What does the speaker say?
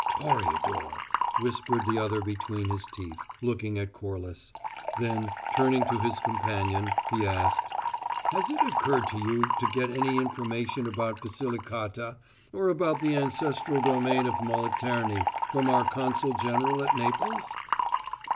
"Toreador!" whispered the other between his teeth, looking at Corliss; then, turning to his companion, he asked: "Has it occurred to you to get any information about Basilicata, or about the ancestral domain of the Moliterni, from our consul general at Naples?"